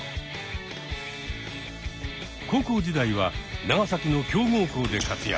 高校時代は長崎の強豪校で活躍。